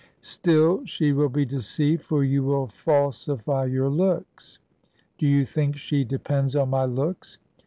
"Still she will be deceived, for you will falsify your looks." "Do you think she depends on my looks?"